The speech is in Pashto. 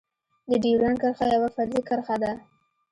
د ډيورند کرښه يوه فرضي کرښه ده.